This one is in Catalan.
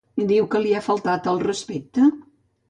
Diu que li ha faltat al respecte?